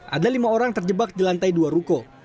ada lima orang terjebak di lantai dua ruko